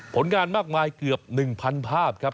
ผลงานมากมายเกือบ๑๐๐ภาพครับ